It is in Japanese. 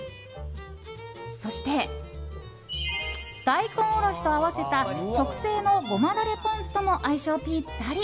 そして、大根おろしと合わせた特製のごまだれポン酢とも相性ピッタリ。